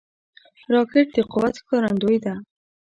راکټ د قوت ښکارندوی ده